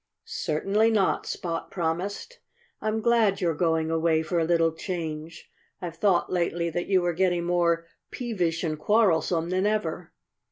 "Certainly not!" Spot promised. "I'm glad you're going away for a little change. I've thought lately that you were getting more peevish and quarrelsome than ever."